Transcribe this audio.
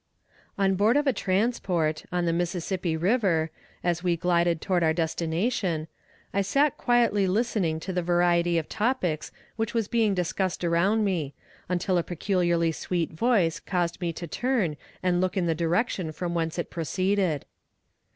On board of a transport, on the Mississippi river, as we glided toward our destination, I sat quietly listening to the variety of topics which was being discussed around me, until a peculiarly sweet voice caused me to turn and look in the direction from whence it proceeded.